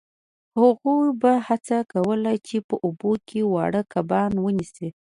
هغوی به هڅه کوله چې په اوبو کې واړه کبان ونیسي